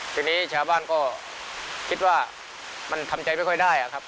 ทีนี้ชาวบ้านก็คิดว่ามันทำใจไม่ค่อยได้อะครับ